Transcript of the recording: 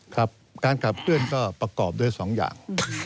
ครับการขับเคลื่อนก็ประกอบด้วย๒อย่าง